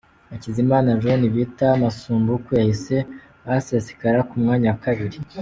Hakizimana John bita Masumbuko yahise ahasesekara ku mwanya kabiri.